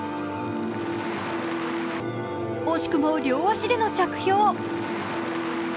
惜しくも両足での着氷。